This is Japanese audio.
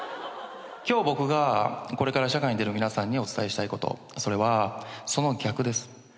今日僕がこれから社会に出る皆さんにお伝えしたいことそれはその逆です。